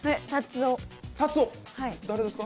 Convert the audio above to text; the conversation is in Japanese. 誰ですか？